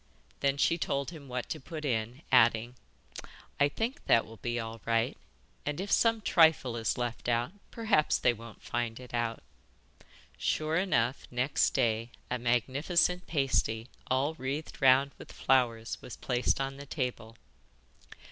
Then she told him what to put in, adding: 'I think that will be all right, and if some trifle is left out perhaps they won't find it out.' Sure enough, next day a magnificent pasty all wreathed round with flowers was placed on the table.